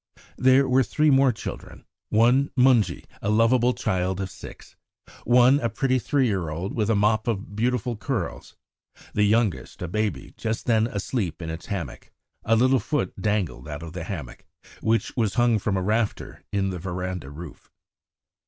There were three more children, one Mungie, a lovable child of six, one a pretty three year old with a mop of beautiful curls, the youngest a baby just then asleep in its hammock; a little foot dangled out of the hammock, which was hung from a rafter in the verandah roof.